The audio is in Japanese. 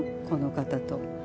この方と。